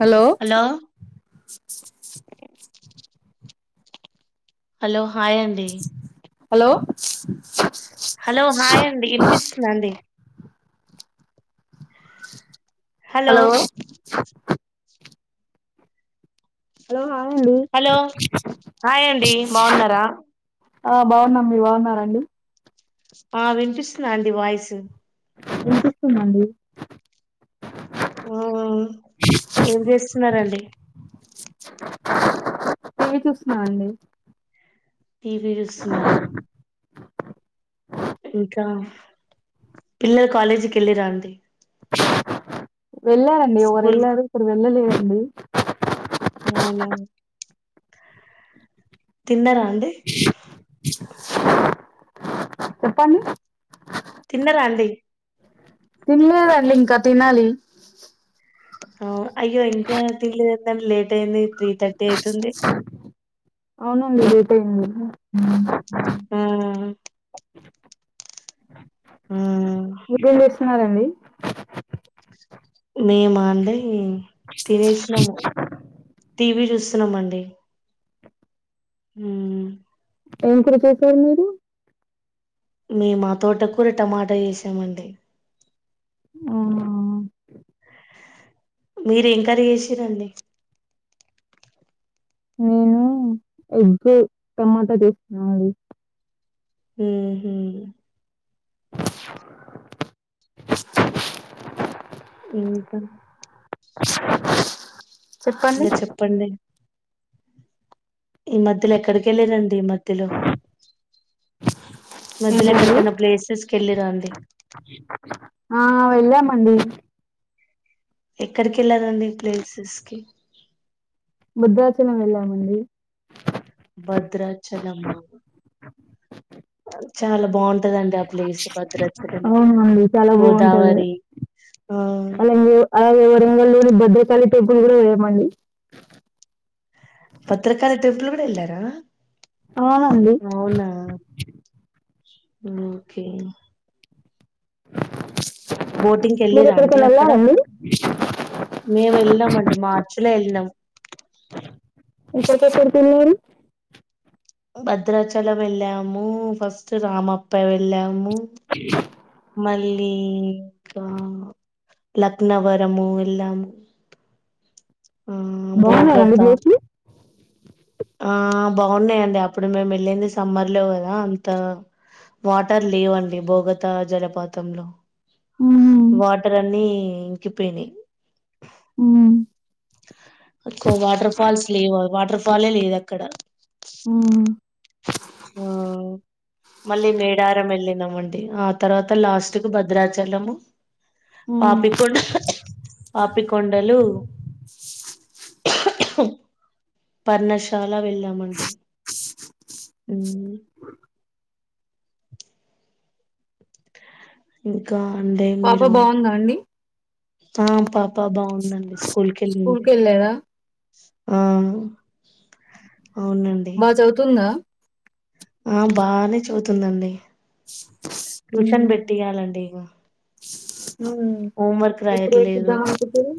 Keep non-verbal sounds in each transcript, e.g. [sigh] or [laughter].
Hello hello hi అండి [inaudible] hello hello hi అండి విన్పిస్తుందా అండి? [inaudible] హలో హలో హాయ్ అండి హలో హాయ్ అండి బాగున్నారా ఆ బాగున్నాం మీరు బాగున్నారండి? ఆ విన్పిస్తుందా అండి వాయిసు? విన్పిస్తుందండి ఆ ఏం చేస్తున్నరండి? టివి చూస్తున్నా అండి టీవీ చూస్తున్నరా? ఇంకా పిల్లలు కాలేజీ కెల్లిరండి? వెల్లారండి ఒవరు స్కూల్ వెల్లారు ఇప్పుడు వెల్లలేరండి. అవునా తిన్నరా అండి? చెప్పండి తిన్నర అండి? తినలేదండి ఇంక తినాలి. ఆ అయ్యో ఇంక తినలేదెందండి లేట్ అయింది త్రీ థర్టీ అయితుంది. అవునండి లేట్ అయింది ఉమ్ ఉమ్ ఆ ఆ మీరెం చేస్తున్నారండి? మేమా అండి తినేసినము, టీవీ చూస్తున్నామండి ఉమ్ ఏం కూర చేశారు మీరు? మేమా తోటకూర టమాటా చేసామండి. ఆ మీరెం కర్రీ చేసిరండి? నేను ఎగ్ టమాటా చేసుకున్నామండి ఉహు ఇంకా బ్లాంక్ ఇంగ చెప్పండి ఈ మధ్యలో ఎక్కడికెళ్లిరండి, ఈ మధ్యలో? మధ్యలో ఏంటండి ఎక్కడికన్నా ప్లేసెస్ కెళ్ళిర్రా అండి? ఆ వెళ్ళామండి. ఎక్కడికి ఎళ్ళారండి ప్లేసెస్ కి? భద్రాచలం వెళ్ళామండి. భద్రాచలమా? చాలా బాగుంటదండి ఆ ప్లేస్ భద్రాచలము అవునండి చాలా బాగుంటది గోదావరి ఆ అలాగే అలాగే వరంగల్లోని భద్రకాళి టెంపుల్ గుడ పోయామండి. భద్రకాళి టెంపుల్ గుడ ఎళ్లారా? ఆ అండి అవునా ఉమ్ కే బోటింగ్కి మీరు ఎళ్లిర్రా ఎక్కడికి అండి అక్కడ? వెళ్ళాలండి మేము వెళ్ళినాము అండి మార్చ్ లో ఎళ్ళినం ఎక్కడికెక్కడికి ఏళ్లారూ? భద్రాచలం ఎళ్ళాము, ఫస్ట్ రామప్ప వెళ్ళాము మళ్ళీ ఇంకా లక్నవరము ఎల్లాము. ఆ భోగత బాగున్నాయండి ప్లేస్లు ఆ బాగున్నయండి అప్పుడు మేము ఎళ్ళింది సమ్మర్ లో కదా అంత వాటర్ లేవండి భోగత జలపాతంలో వాటర్ అన్ని ఇంకిపోయినయ్ ఊ ఎక్కువ వాటర్ ఫాల్స్ లేవు వాటర్ ఫాల్ ఏ లేదు అక్కడ ఊ ఊ మళ్ళీ మేడారం వెళ్ళినాం అండి ఆ తర్వాత లాస్ట్ కు భద్రాచలము పాపికొం పాపికొండలు పర్ణశాల వెళ్ళామండి ఊ ఇంకా అంటే మీరు ఉందా అండి ఆ పాప బావుందండి స్కూల్ కెళ్ళింది స్కూల్కి వెళ్ళారా ఆ అవునం బా చదువుతుందా ఆ బానే చదువుతుందండి స స్ ట్యూషన్ పెట్టియ్యాలండి ఇం ఓం వర్క్ ఎప్పుడు రాయట్లేదు ఎక్కిద్దాం అనుకుంటారు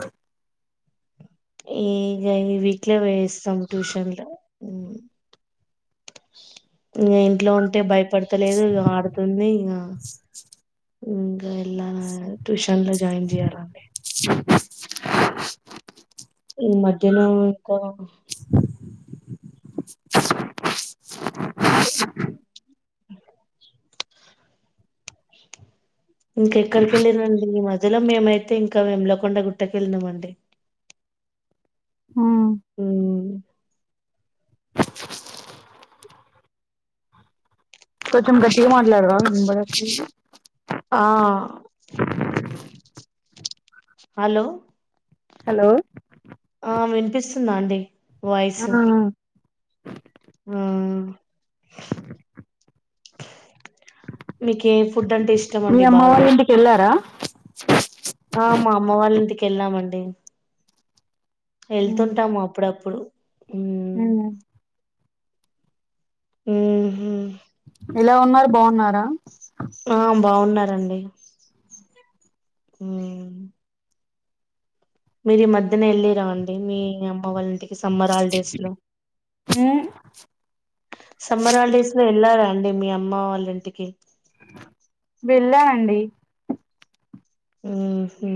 ఈగ ఈ వీక్ లో వేస్తాం ట్యూషన్లో ఊ ఇగ ఇంట్లో ఉంటే భయపడుతలేదు ఇగ ఆడుతుంది ఇం ఇంగా ఎల్లాల ట్యూషన్ లో జాయిన్ జెయ్యాలండి ఈ మధ్యలో ఎక్కువ [inaudible] ఇంక ఎక్కడికెళ్ళినం [inaudible] ఈ మధ్యలో మేమైతే ఇంకా వేములకొండ గుట్టకెళ్ళినం అండి ఆ ఊ కొంచెం గట్టిగా మాట్లాడవా వినపడట్లేదు ఆ హలో హలో ఆ విన్పిస్తుందా ఆండి వాయిస్ ఉమ్ మీకు ఏ ఫుడ్ అంటే ఇష్ మీ అమ్మ వాళ్ళ ఇంటికి ఎళ్ళారా ఆ మా అమ్మ వాళ్ళ ఇంటికి ఎళ్ళామండి ఎళ్తుంటాం అప్పుడప్పుడు ఊ హ్మ్ ఊహూ ఎలా ఉన్నారు బావున్నారా ఆ బావున్నారండి మీరు ఈ మధ్యన ఎళ్ళిర్రా అండి మీ అమ్మ వాళ్ళింటి ఈ సమ్మర్ హాలిడేస్ లో సమ్మర్ హాలిడేస్ లో ఎళ్లారా అండి మీ అమ్మ వాళ్ళింటికి వెళ్ళామండి ఊహూ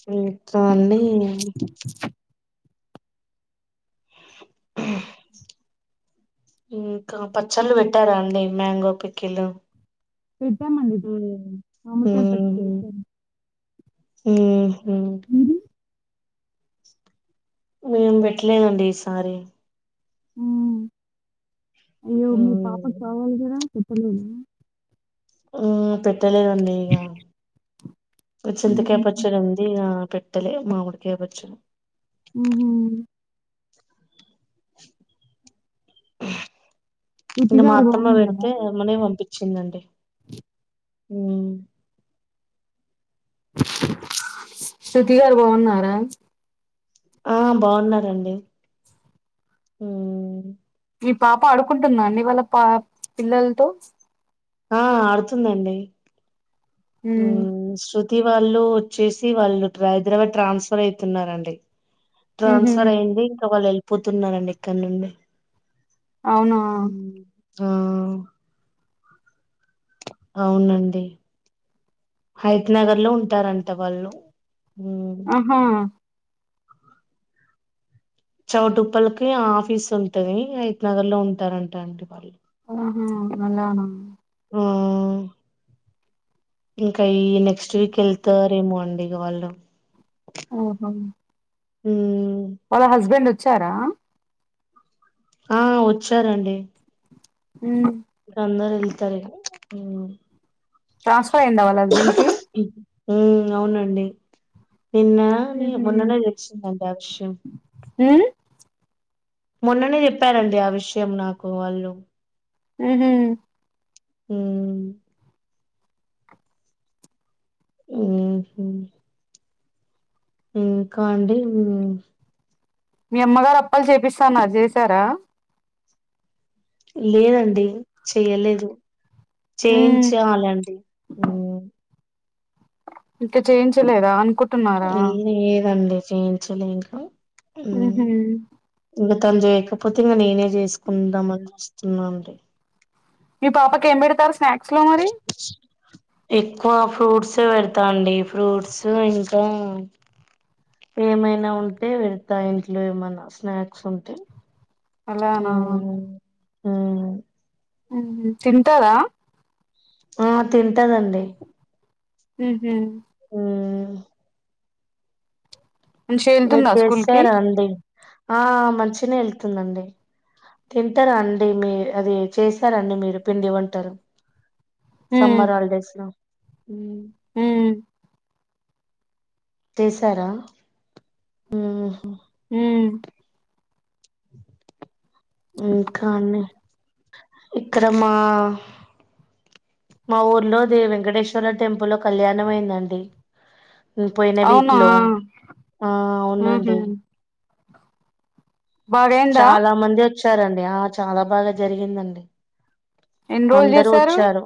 చూత్తాంది హా ఇంకా పచ్చళ్ళు పెట్టారా అండి? మ్యాంగో పికిీలు. పెట్టామండి. మామిడి కాయ పికిల్. మ్ హ్మ్ హు మ్ మేం పెట్టల్లేదండీ ఈసారి. అయ్యో మీ పాపకు హ్మ్. కావాలి కదా? పెట్టలేదు. ఆ పెట్టలేదండి ఇక చింతకాయ హ్మ్. పచ్చడి ఉంది ఇక పెట్ట పెట్టలే మామిడికాయ పచ్చడి. మ్ హ్ హూ శృతి ఇగ మా గారు అత్తమ్మ బావున్నారా? పెడితే. అమ్మనే పంపించిందండి. మ్ శృతి గారు బాగున్నారా? ఆ బాగున్నారండి. మీ పాప ఆడుకుంటుందా అండి ఇవాళ పా పిల్లలతో ఆ ఆడుతుందండి హ్మ్. ష్ అంటే వాళ్ళు వచ్చేసి వాళ్ళు హైదరాబాద్ ట్రాన్స్ఫర్ అవుతున్నారండి. హుహు. ట్రాన్స్ఫర్ అయ్యింది. ఇంక వాళ్ళు వెళ్ళిపోతున్నారండి ఇక్కడ నుండి అవునా మ్ అవునండి హయత్ నగర్ లో ఉంటారంట వాళ్ళు. మ్మ్ ఆహా! చౌటుప్పలకి ఆఫీస్ ఉంటందని. హయాత్ నగర్ లో ఉంటారంట అండి వాళ్ళు. ఆహా! ఆలనా మ్ ఇంక ఈ నెక్స్ట్ వీక్ వెళ్తారేమో అండి ఇగ వాళ్ళు. ఓహో మ్ వాళ్ళ హస్బెండ్ వచ్చారా? ఆ వచ్చారండి. మ్ అందరూ వెళ్తారు ఇక ట్రాన్స్ఫర్ అయ్యిందా వాళ్ల హస్బెండ్ కి. అవునండి నిన్న హుహు. మొన్ననే తెలిసిందట ఆ విషయం. మ్ మొన్ననే చెప్పారండి ఆ విషయం నాకు వాళ్ళు. మ్ హూ మ్ ఊహు ఇంకాండీ మీ అమ్మగారు అప్పలు చేపిస్తా అన్నారు. చేశారా? లేదండి చెయలేదు. హ్మ్. చేయించాలండి. ఇంకా చేయించలేదా? అనుకుట్ ఏం లేదండి చేయించలేదు. మ్ ఉహు ఇంగ తను చేయకపోతే ఇంక నేనే చేసుకుందాం అని చూస్తున్నానండి. మీ పాపకి ఏం పెడతారు స్నాక్స్ లో మరి ఎక్కువ ఫ్రూట్సే పెడతా అండి ఫ్రూట్స్ ఇంకా ఏమైనా ఉంటే పెడతా ఇంట్లో ఏమైనా స్నాక్స్ ఉంటే అలానా హ్మ్ హ్మ్ తింటారా ఆ తింటాదండి ఊహూ హ్మ్ మంచిగా మీరు వెళ్తుందా స్కూల్ కి చేసారా అండి ఆ మంచినే వెళ్తుందండి తింటారా అండి మీ అది చేశారా అండి మీరు పిండివంటలు సమ్మర్ హాలిడేస్ లో హ్మ్ తీశారా ఊహూ హ్మ్ ఇంకా ఇక్కడ మా మా ఊర్లో దేవి వెంకటేశ్వర టెంపుల్ లో కళ్యాణం అయిందండి పోయిన వీక్ అవునా లో ఆ ఉహు అవునండి బాగయిందా చాలా మంది వచ్చారండి ఆ చాలా బాగా జరిగిందండి ఎన్ని రోజులు అందరు చేశారు వచ్చారు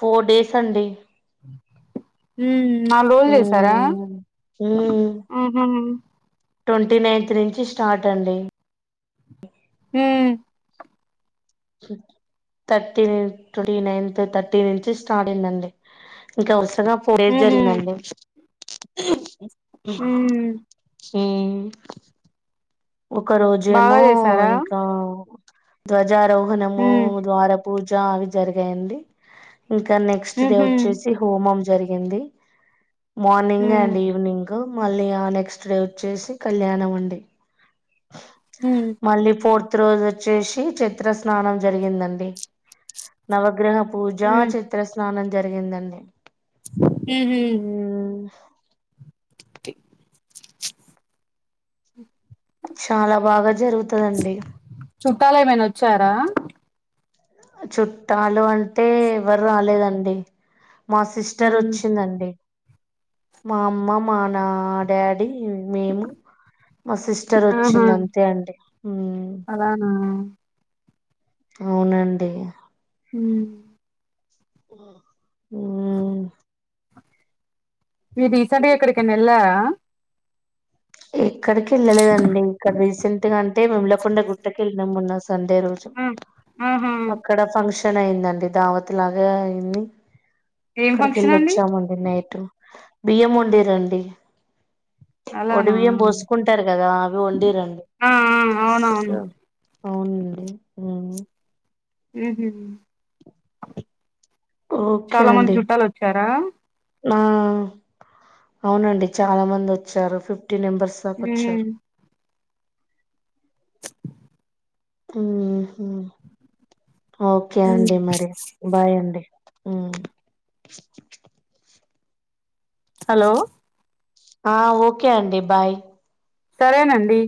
ఫోర్ డేస్ అండి హ్మ్ ఆళ్ళు లోన్ చేసారా మ్మ్ మ్మ్ ఆహా ట్వంటీ నైన్త్ నుంచి స్టార్ట్ అండి హ్మ్ థర్టీన్ ట్వంటీ నైన్త్ థర్టీ నుంచి స్టార్ట్ అయిందండి ఇంక వరసగా పోయేది ఉహు జరిగినండి ఉమ్ చే ఒక బాగా రోజేమో చేసారా ఇంకా ధ్వజారోహణము ఉమ్ ద్వార పూజ అవి జరిగాయండి ఇంకా నెక్స్ట్ డే ఉహు వచ్చేసి హోమం జరిగింది మార్నింగ్ ఉమ్ అండ్ ఈవినింగ్ మళ్ళీ ఆ నెక్స్ట్ డే వచ్చేసి కళ్యాణం అండి ఉమ్ మళ్ళీ ఫోర్త్ రోజు వచ్చేసి చిత్ర స్నానం జరిగిందండి నవగ్రహ పూజ ఉమ్ చిత్రస్నానం జరిగిందండి ఊహూ ఉమ్ తె చాలా బాగా జరుగుతుందండి చుట్టాలు ఏమైనా వచ్చారా చుట్టాలు అంటే ఎవ్వరు రాలేదండి మా సిస్టర్ ఉమ్ వచ్చిందండి మా అమ్మ మా నా డాడ్ డి మేము మా సిస్టర్ ఆహా వచ్చింది అంతే అండి హ్మ్ అలానా అవునండి హ్మ్ ఓ మీరు రీసెంట్గా ఎక్కడికయినా వెళ్ళారా ఎక్కడికి వెళ్ళలేదండి ఇంకా రీసెంట్ గా అంటే వేముళకొండ గుట్టకి వెళ్ళినాము మొన్న సండే రోజు ఆ ఆహ ఇక్కడ ఫంక్షన్ అయిందండి దావత్ లాగా అయింది ఏం అక్కడికి ఫంక్షన్ అండి వెళ్ళోచ్చామండి నైట్ బియ్యం వండిరు రండి ఒడి అలానా బియ్యం పోసుకుంటారు కదా అవి వండి రండి ఆ ఆ అవునవును అవునండి ఉం హు హామ్ ఓకే అండి వచ్చారా ఆ అవునండి చాలా మంది వచ్చారు ఫిఫ్టీ నంబర్స్ ఉమ్ హు హామ్ ఓకే అండి మరి బాయ్ అండి ఉం హలో ఆ ఓకే అండి బాయ్ సరేనండి